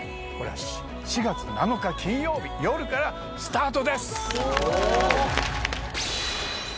４月７日金曜日夜からスタートです！